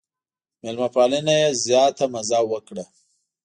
مېلمه پالنې یې زیاته مزه وکړه.